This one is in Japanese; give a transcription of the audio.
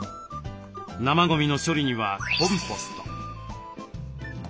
生ゴミの処理にはコンポスト。